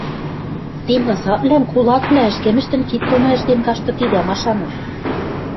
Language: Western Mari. Ти масаквлӓм кулаквлӓ ӹшкӹмӹштӹн кид доно ӹштен каштыт идӓ машаны.